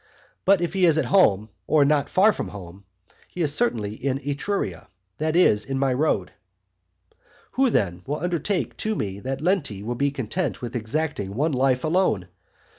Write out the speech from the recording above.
But if he is at home, or not far from home, he is certainly in Etruria, that is, in my road. Who, then, will undertake to me that Lenti will be content with exacting one life alone?